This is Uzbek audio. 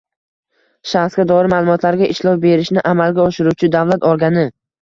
— shaxsga doir ma’lumotlarga ishlov berishni amalga oshiruvchi davlat organi